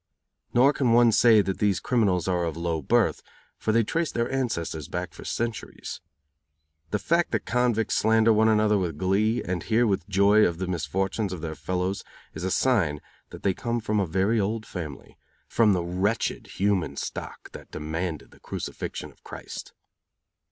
Nor can one say that these criminals are of low birth, for they trace their ancestors back for centuries. The fact that convicts slander one another with glee and hear with joy of the misfortunes of their fellows, is a sign that they come from a very old family; from the wretched human stock that demanded the crucifixion of Christ.